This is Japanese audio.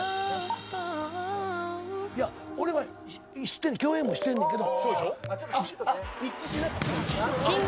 俺は共演もしてんねんけど。